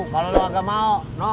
kalau lo agak mau